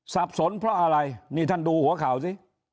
สับสนเพราะอะไรนี่ท่านดูหัวข่าวสิ